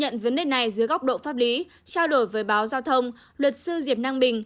trong lý trao đổi với báo giao thông luật sư diệp năng bình